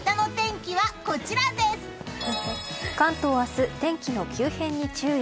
関東、明日天気の急変に注意。